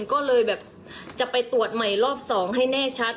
ก็เลยแบบจะไปตรวจใหม่รอบ๒ให้แน่ชัด